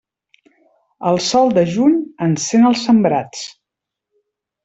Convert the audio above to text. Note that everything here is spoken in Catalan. El sol de juny encén els sembrats.